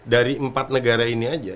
dari empat negara ini aja